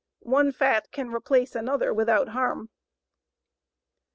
One fat can replace another without harm.